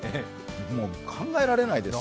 もう考えられないですよ。